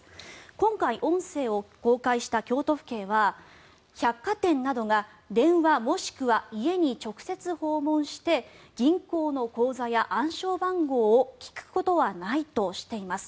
今回、音声を公開した京都府警は百貨店などが電話もしくは家に直接訪問して銀行の口座や暗証番号を聞くことはないとしています。